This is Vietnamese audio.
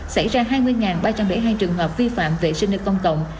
xảy ra hai mươi ba trăm linh hai trường hợp vi phạm vệ sinh nơi công cộng